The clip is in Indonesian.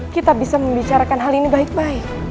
kita bisa membicarakan hal ini baik baik